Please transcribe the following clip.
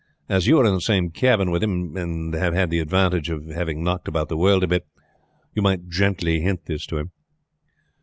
As you are in the same cabin with him, and have had the advantage of having knocked about the world a bit, you might gently hint this to him."